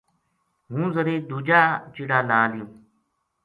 ہوں زری دُوجا چِڑا لا لیوں “